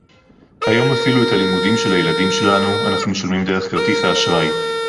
היום אפילו את הלימודים של הילדים שלנו אנחנו משלמים דרך כרטיס האשראי